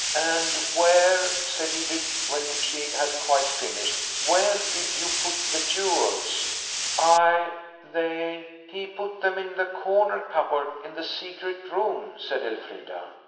"And where," said Edred, when she had quite finished,–"where did you put the jewels?" "ELFRIDA WAS OBLIGED TO SHAKE HIM." "I–they–he put them in the corner cupboard in the secret room," said Elfrida.